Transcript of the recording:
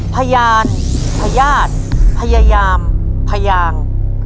พยานพญาติพยายามพยาง